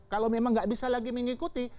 kalau memang nggak bisa lagi mengikuti